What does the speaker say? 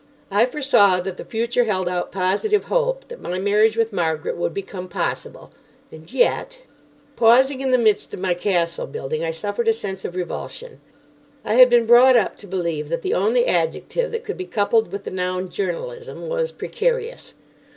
I foresaw that the future held out positive hope that my marriage with Margaret would become possible. And yet—— Pausing in the midst of my castle building, I suffered a sense of revulsion. I had been brought up to believe that the only adjective that could be coupled with the noun "journalism" was "precarious."